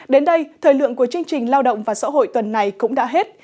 đến đây thời lượng của chương trình lao động và xã hội tuần này cũng đã hết